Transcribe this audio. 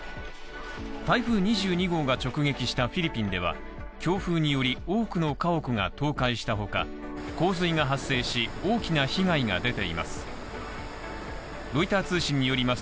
台風２２号が直撃したフィリピンでは、強風により多くの家屋が倒壊したほか、洪水が発生し、大きな被害が出ています。